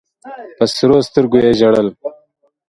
په سرو سترګو یې ژړل.